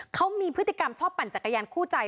เขามีพฤติกรรมชอบปั่นจักรยานคู่ใจ